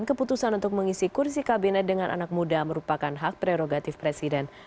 keputusan untuk mengisi kursi kabinet dengan anak muda merupakan hak prerogatif presiden